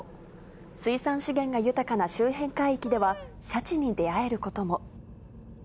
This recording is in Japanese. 水産資源が豊かな周辺海域では、シャチに出会えることも。